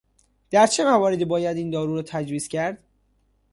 در چه مواردی باید این دارو را تجویز کرد؟